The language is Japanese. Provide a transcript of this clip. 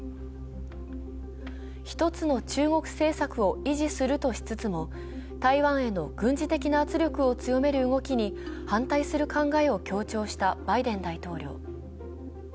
一つの中国政策を維持するとしつつも台湾への軍事的な圧力を強める動きに反対する考えを強調したバイデン大統領。